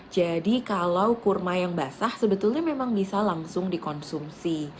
jadi kalau kurma yang basah sebetulnya memang bisa langsung dikonsumsi